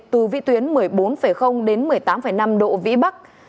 từ vị tuyến một mươi bốn đến một mươi tám năm độ vĩ bắc